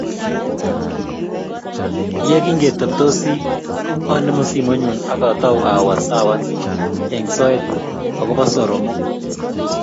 Ye kingeteptosi, anemu simoinyu ak atou awaswas eng soet akobo soromook.